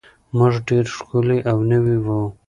موټر ډېر ښکلی او نوی و.